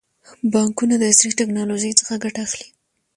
بانکونه د عصري ټکنالوژۍ څخه ګټه اخلي.